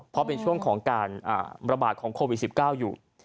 เพราะเป็นช่วงของการอ่าระบาดของโควิดสิบเก้าอยู่